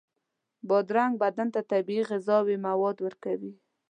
بادرنګ بدن ته طبیعي غذایي مواد ورکوي.